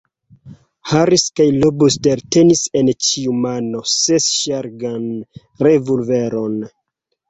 Harris kaj Lobster tenis en ĉiu mano sesŝargan revolveron.